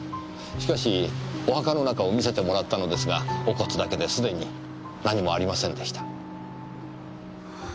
しかしお墓の中を見せてもらったのですがお骨だけですでに何もありませんでした。